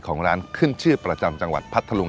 ของร้านขึ้นชื่อประจำจังหวัดพัทธลุง